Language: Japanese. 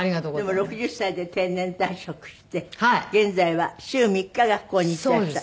でも６０歳で定年退職して現在は週３日学校に行っていらっしゃる。